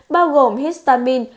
bao gồm histamine